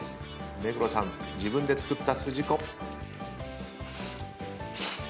目黒さん自分で作ったすじこ。